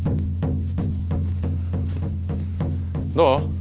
どう？